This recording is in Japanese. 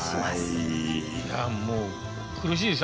いやもう苦しいです